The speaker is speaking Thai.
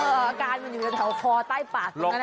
เอออาการมันอยู่ในแถวพอใต้ปากคุณแน่นะ